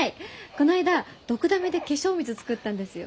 こないだドクダミで化粧水作ったんですよ。